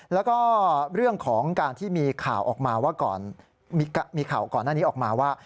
แล้วก็เรื่องของการที่มีข่าวก่อนหน้านี้ออกมาว่า